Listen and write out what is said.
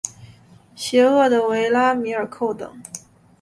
邪恶的维拉米尔寇等。